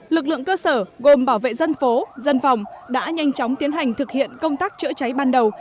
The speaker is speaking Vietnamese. lực lượng cơ sở gồm bảo vệ dân phố dân phòng đã nhanh chóng tiến hành thực hiện công tác chữa cháy ban đầu